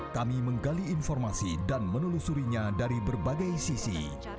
kami menggali informasi dan menelusurinya dari berbagai sisi